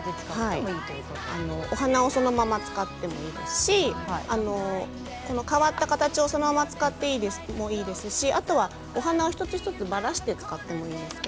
もうあの、そのまま使ってもいいですし変わった形をそのまま使ってもいいですしあとは、お花一つ一つばらして使ってもいいです。